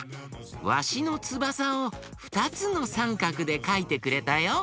ワシのつばさをふたつのサンカクでかいてくれたよ。